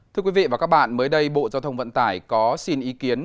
thưa quý vị và các bạn mới đây bộ giao thông vận tải có xin ý kiến